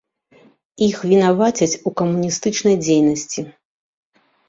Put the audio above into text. Іх вінавацяць у камуністычнай дзейнасці.